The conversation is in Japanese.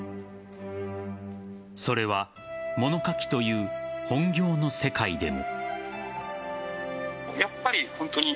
それは物書きという本業の世界でも。